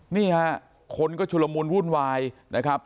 นี่ฮะคนก็ชุลมูลวุ่นวายนะครับ